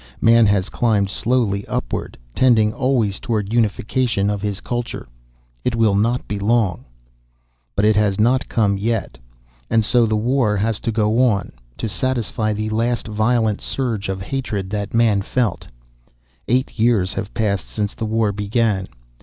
Man has climbed slowly upward, tending always toward unification of his culture. It will not be long "But it has not come yet, and so the war had to go on, to satisfy the last violent surge of hatred that Man felt. Eight years have passed since the war began.